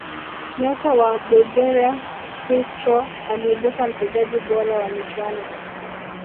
nyota wa bulgaria hristo aliibuka mchezaji bora wa michuano